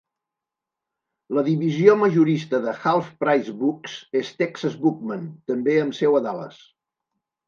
La divisió majorista de Half Price Books és Texas Bookman, també amb seu a Dallas.